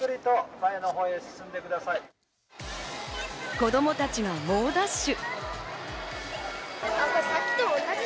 子供たちが猛ダッシュ。